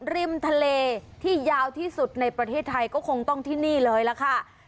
ริมทะเลที่ยาวที่สุดในประเทศไทยก็คงต้องที่นี่เลยล่ะค่ะ